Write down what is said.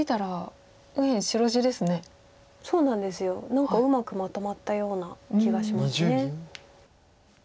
何かうまくまとまったような気がします。